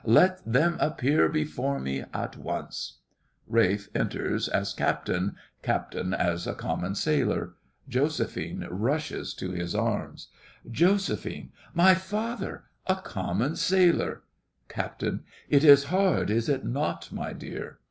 Let them appear before me, at once! [RALPH. enters as CAPTAIN; CAPTAIN as a common sailor. JOSEPHINE rushes to his arms JOS. My father—a common sailor! CAPT. It is hard, is it not, my dear?